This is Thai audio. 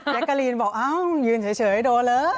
แกะกาลีนบอกพี่ยืนเฉยให้โดะเลย